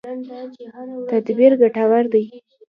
تدبیر ګټور دی.